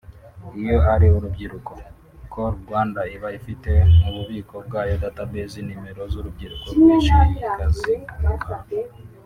iyo ari urubyiruko Call Rwanda iba ifite mu bubiko bwayo (Data base)nimero z’urubyiruko rwinshi ikaziguha